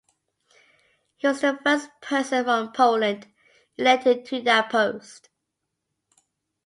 He was the first person from Poland elected to that post.